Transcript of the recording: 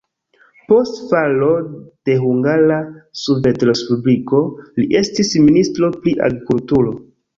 Post falo de Hungara Sovetrespubliko li estis ministro pri agrikulturo.